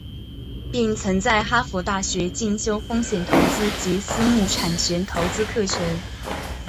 并曾在哈佛大学进修风险投资及私募产权投资课程。